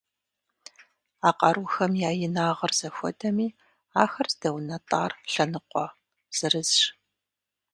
А къарухэм я инагъыр зэхуэдэми, ахэр здэунэтӏар лъэныкъуэ зырызщ.